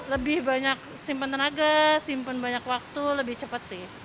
lebih banyak simpen tenaga simpen banyak waktu lebih cepat sih